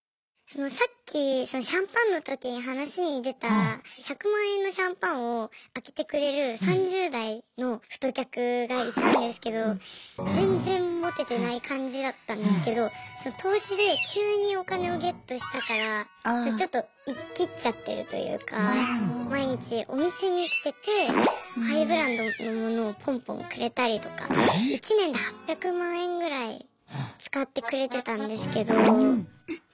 さっきシャンパンの時に話に出た１００万円のシャンパンを開けてくれる３０代の太客がいたんですけど全然モテてない感じだったんですけど投資で急にお金をゲットしたからちょっとイキッちゃってるというか毎日お店に来ててハイブランドのものをポンポンくれたりとか１年で８００万円ぐらい使ってくれてたんですけど。